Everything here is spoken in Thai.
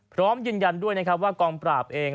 พร้อมยืนยันด้วยว่ากองปราบเอง